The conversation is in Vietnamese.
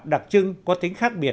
đặc trưng có tính khác biệt